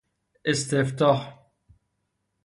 استفتاح